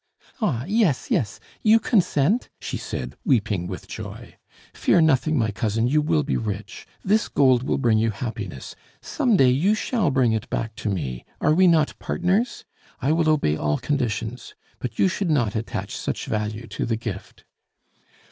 "Ah! yes, yes, you consent?" she said, weeping with joy. "Fear nothing, my cousin, you will be rich. This gold will bring you happiness; some day you shall bring it back to me, are we not partners? I will obey all conditions. But you should not attach such value to the gift."